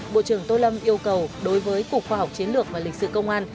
bộ trưởng tô lâm yêu cầu đối với cục khoa học chiến lược và lịch sử công an